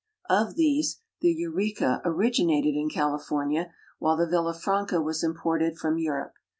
Of these, the Eureka originated in California, while the Villa Franca was imported from Europe.